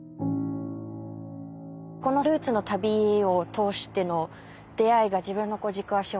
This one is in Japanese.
このルーツの旅を通しての出会いが自分の軸足を変えて。